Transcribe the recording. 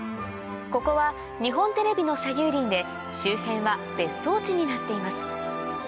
ここは日本テレビの社有林で周辺は別荘地になっています